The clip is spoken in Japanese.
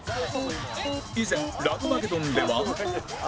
以前ラブマゲドンでは